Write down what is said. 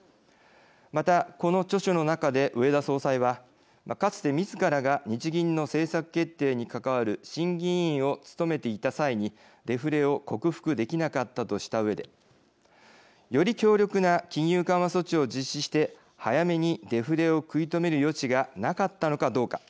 またこの著書の中で植田総裁はかつてみずからが日銀の政策決定に関わる審議委員を務めていた際にデフレを克服できなかったとしたうえで「より強力な金融緩和措置を実施して早めにデフレを食い止める余地がなかったのかどうか。